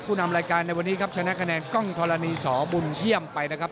นำรายการในวันนี้ครับชนะคะแนนกล้องธรณีสอบุญเยี่ยมไปนะครับ